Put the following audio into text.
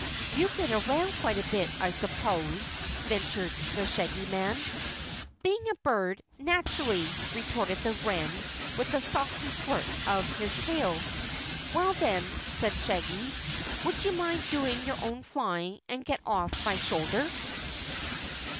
"You get around quite a bit, I suppose," ventured the Shaggy Man. "Being a bird, naturally," retorted the wren with a saucy flirt of his tail. "Well, then," said Shaggy, "would you mind doing your own flying and getting off my shoulder?"